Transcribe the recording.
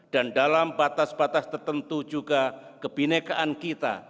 dan dalam batas batas tertentu juga kebinekaan kita